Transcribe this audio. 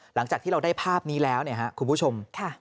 หลังจากที่เราได้ภาพนี้แล้วคุณผู้ชม